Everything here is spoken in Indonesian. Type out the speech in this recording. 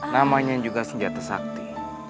namanya juga senjata sakti